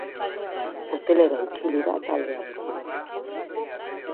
Hotelera itzuli da taldearekin.